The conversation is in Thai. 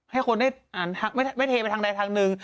ให้คนได้ไม่เทไปทางหน่ายทางหนึ่ง